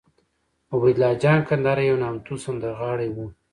عبیدالله جان کندهاری یو نامتو سندرغاړی وو